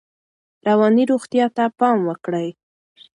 رواني روغتیا ته پام وکړئ.